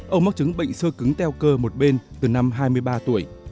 ông mắc chứng bệnh sơ cứng teo cơ một bên từ năm hai mươi ba tuổi